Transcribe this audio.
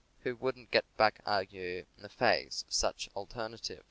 Who wouldn't get buck ague in the face of such alternative.'